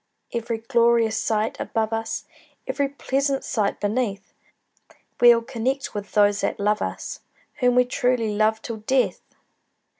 Every glorious sight above us, Every pleasant sight beneath, We'll connect with those that love us, Whom we truly love till death!